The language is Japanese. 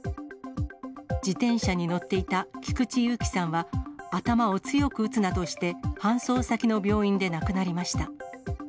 自転車に乗っていた菊地勇喜さんは、頭を強く打つなどして、搬送先の病院で亡くなりました。